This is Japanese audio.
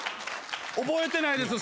覚えてないです。